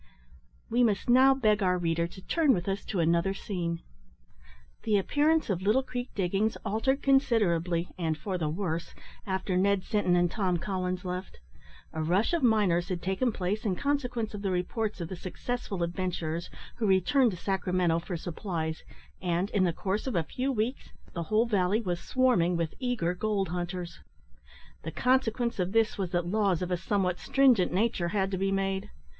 We must now beg our reader to turn with us to another scene. The appearance of Little Creek diggings altered considerably, and for the worse, after Ned Sinton and Tom Collins left. A rush of miners had taken place in consequence of the reports of the successful adventurers who returned to Sacramento for supplies, and, in the course of a few weeks, the whole valley was swarming with eager gold hunters. The consequence of this was that laws of a somewhat stringent nature had to be made.